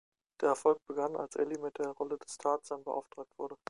Der Erfolg begann, als Ely mit der Rolle des Tarzan beauftragt wurde.